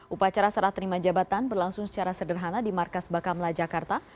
upacara serah terima jabatan berlangsung secara sederhana di markas bakamla jakarta